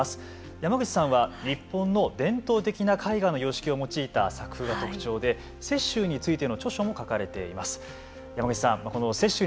山口さんは日本の伝統的な絵画の様式を用いた作風が特徴で雪舟についての著書も書かれています。